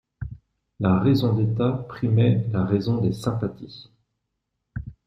La raison d'état primait la raison des sympathies.